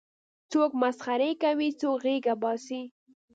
څوک مسخرې کوي څوک غېږه باسي.